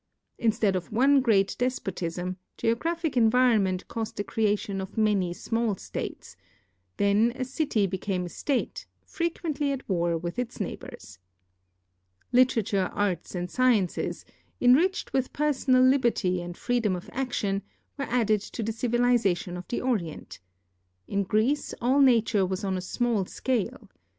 Instead of one great desi)Otism, 176 THE EFFECTS OF GEOGRAPHIC ENVIRONMENT geographic environment caused the creation of many small states; then a city became a state, frequently at war with its neighbors. Literature, arts, and sciences, enriched with personal liberty and freedom of action, were added to the civilization of the Orient. In Greece all nature Avas on a small scale.